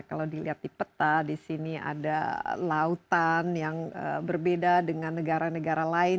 kalau dilihat di peta di sini ada lautan yang berbeda dengan negara negara lain